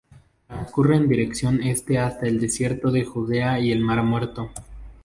Transcurre en dirección Este hasta el desierto de Judea y el mar Muerto.